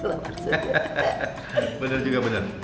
hahah bener juga bener